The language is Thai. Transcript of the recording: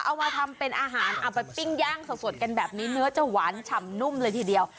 เอามาทำเป็นอาหารเอาไปปิ้งย่างสดกันแบบนี้เนื้อจะหวานฉ่ำนุ่มเลยทีเดียว